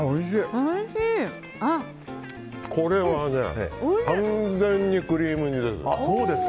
これは完全にクリーム煮です。